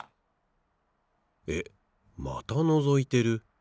えっまたのぞいてる。